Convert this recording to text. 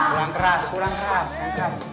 kurang keras kurang keras